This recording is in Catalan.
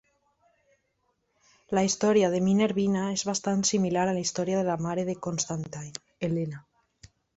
La història de Minervina és bastant similar a la història de la mare de Constantine, Helena.